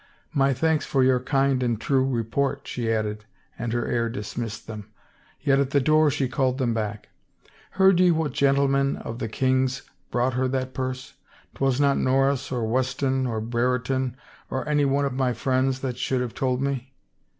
" My thanks for your kind and true report,'* she added and her air dismissed them. Yet at the door she called them back. " Heard ye what gentleman of the king's brought her that purse? 'Twas not Norris or Weston or Brereton, or one of my friends that should have told me